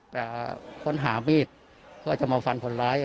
แต่คนหามีดก็จะมาฟันคนร้าย